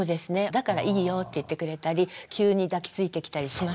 だからいいよって言ってくれたり急に抱きついてきたりしますよ。